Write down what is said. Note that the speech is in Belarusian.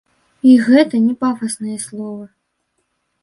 І гэта не пафасныя словы.